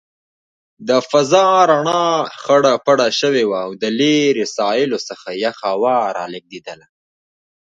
It is also introduced to Belarus.